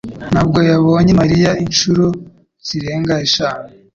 ntabwo yabonye Mariya inshuro zirenga eshanu